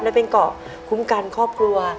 และเป็นเกาะคุ้มกันครอบครัว